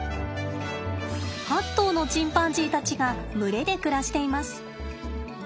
８頭のチンパンジーたちが群れで暮らしています。